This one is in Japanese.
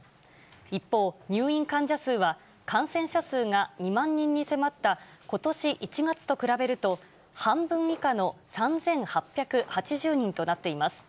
一方、入院患者数は、感染者数が２万人に迫ったことし１月と比べると、半分以下の３８８０人となっています。